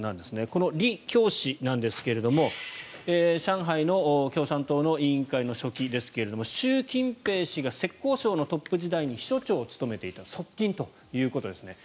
このリ・キョウ氏なんですが上海の共産党の委員会の書記ですが習近平氏が浙江省のトップ時代に秘書長を務めていた側近ということですね。